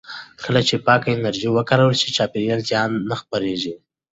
کله چې پاکه انرژي وکارول شي، چاپېریالي زیان نه پراخېږي.